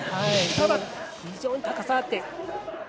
非常に高さがあって。